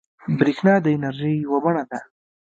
برېښنا د انرژۍ یوه بڼه ده.